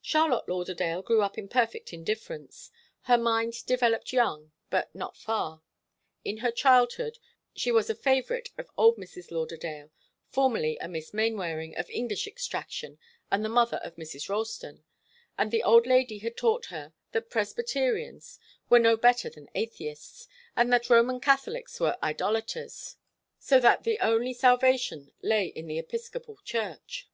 Charlotte Lauderdale grew up in perfect indifference. Her mind developed young, but not far. In her childhood she was a favourite of old Mrs. Lauderdale, formerly a Miss Mainwaring, of English extraction, and the mother of Mrs. Ralston, and the old lady had taught her that Presbyterians were no better than atheists, and that Roman Catholics were idolaters, so that the only salvation lay in the Episcopal Church.